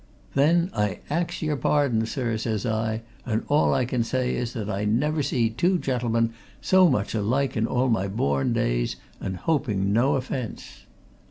'Then I ax your pardon, sir,' says I, 'and all I can say is that I never see two gentlemen so much alike in all my born days, and hoping no offence.'